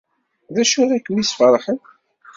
D acu ara kem-yesferḥen?